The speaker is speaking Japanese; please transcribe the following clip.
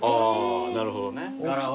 あなるほどね。